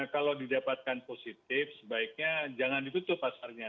kalau didapatkan positif sebaiknya jangan ditutup pasarnya